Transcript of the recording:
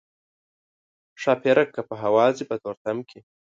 ښاپیرک که په هوا ځي په تورتم کې.